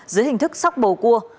dưới hình thức sóc bầu cua